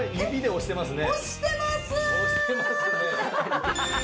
押してますね。